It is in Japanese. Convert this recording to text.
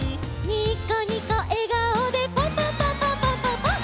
「ニコニコえがおでパンパンパンパンパンパンパン！！」